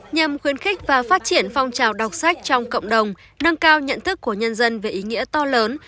nhằm khuyến khích và phát triển phong trào đọc sách trong cộng đồng nâng cao nhận thức của nhân dân về ý nghĩa to lớn